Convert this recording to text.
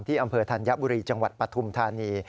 อำเภอธัญบุรีจังหวัดปฐุมธานี